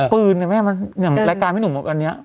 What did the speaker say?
ปืนไหมอย่างรายการให้หนุ่มออกอันนี้